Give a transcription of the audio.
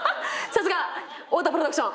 さすが太田プロダクション。